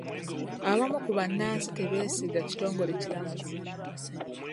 Abamu ku bannansi tebeesiga kitongole kiramuzi.